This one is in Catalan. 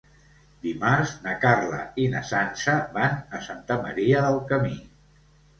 Dimarts na Carla i na Sança van a Santa Maria del Camí.